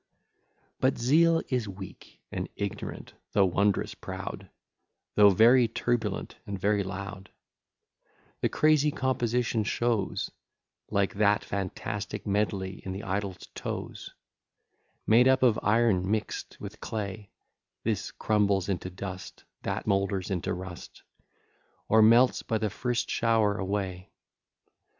VII But zeal is weak and ignorant, though wondrous proud, Though very turbulent and very loud; The crazy composition shows, Like that fantastic medley in the idol's toes, Made up of iron mixt with clay, This crumbles into dust, That moulders into rust, Or melts by the first shower away.